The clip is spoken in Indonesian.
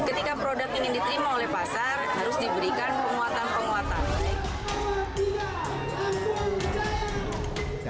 ketika produk ini diterima oleh pasar harus diberikan penguatan penguatan